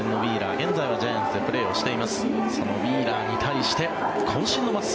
現在はジャイアンツでプレーしています。